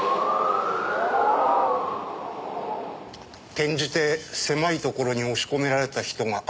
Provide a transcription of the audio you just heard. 転じて狭いところに押し込められた人が上げる悲鳴。